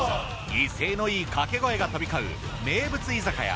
威勢のいい掛け声が飛び交う名物居酒屋